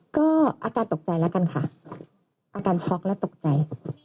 ก็อาการตกใจร้ะกันค่ะอาการแล้วตกใจ